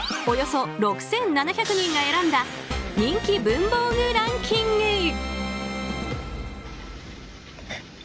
およそ６７００人が選んだ人気文房具ランキング。